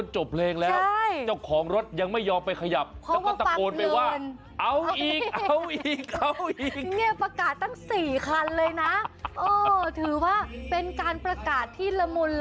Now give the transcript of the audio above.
ช่วยขยับรถทียังมี๓คันบรุงเทพมหานคร